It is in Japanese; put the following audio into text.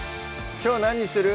きょう何にする？